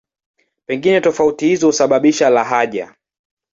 Pengine tofauti hizo husababisha lahaja.